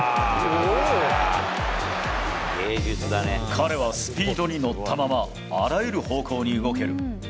彼はスピードに乗ったままあらゆる方向に動ける。